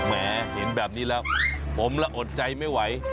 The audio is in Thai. แหมเห็นแบบนี้แล้วผมละอดใจไม่ไหว